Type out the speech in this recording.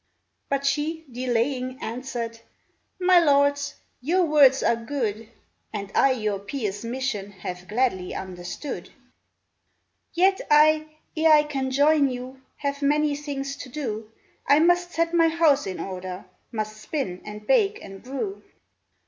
But she, delaying, answered, " My lords, your words are good, And I your pious mission Have gladly understood. 402 THE LEGEND OF THE BABOUSHKA " Yet I, ere I can join you, Have many things to do : I must set my house in order, Must spin and bake and brew.